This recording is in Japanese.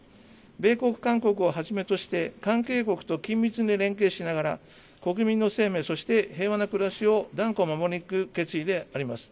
米国、韓国をはじめとして関係国と緊密に連携しながら、国民の生命、そして平和な暮らしを断固守り抜く決意であります。